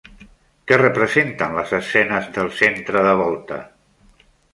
Què representen les escenes del centre de volta?